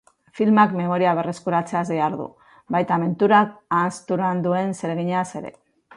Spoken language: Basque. Filmak memoria berreskuratzeaz dihardu, baita menturak ahanzturan duen zereginaz ere.